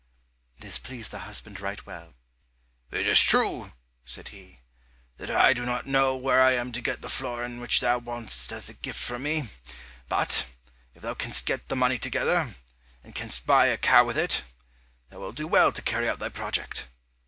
This pleased the husband right well. "It is true," said he, "that I do not know where I am to get the florin which thou wantest as a gift from me; but, if thou canst get the money together, and canst buy a cow with it, thou wilt do well to carry out thy project.